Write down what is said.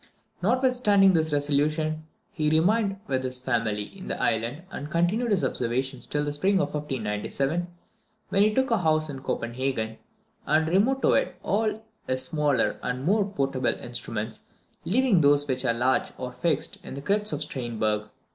Notwithstanding this resolution, he remained with his family in the island, and continued his observations till the spring of 1597, when he took a house in Copenhagen, and removed to it all his smaller and more portable instruments, leaving those which were large or fixed in the crypts of Stiern berg.